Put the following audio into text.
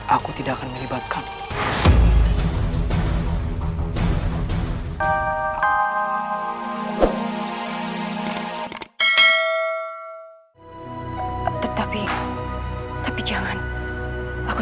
aku tidak akan melibatkanmu